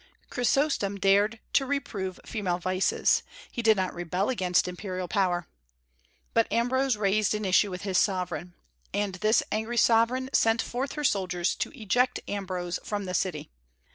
Chrysostom dared to reprove female vices; he did not rebel against imperial power. But Ambrose raised an issue with his sovereign. And this angry sovereign sent forth her soldiers to eject Ambrose from the city.